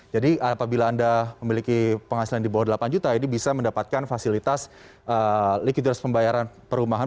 jadi apabila anda memiliki penghasilan di bawah delapan juta ini bisa mendapatkan fasilitas likuiditas pembayaran perumahan